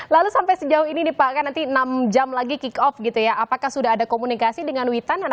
lalu sampai sejauh ini enam jam lagi kick off apakah sudah ada komunikasi dengan butan